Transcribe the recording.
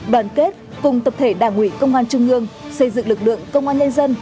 đoàn kết cùng tập thể đảng ủy công an trung ương xây dựng lực lượng công an nhân dân